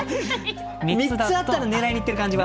３つあったら狙いにいってる感じは？